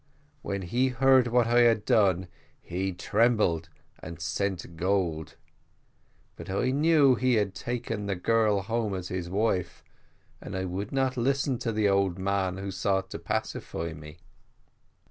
When he heard what I had done, he trembled and sent gold; but I knew that he had taken the girl home as his wife, and I would not listen to the old man who sought to pacify me.